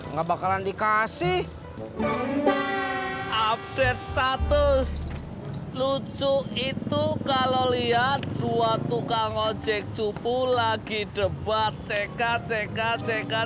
nggak bakalan dikasih update status lucu itu kalau lihat dua tukang ojek cupu lagi debat cek cek cek cek